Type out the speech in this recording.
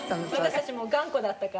私たちもう頑固だったから。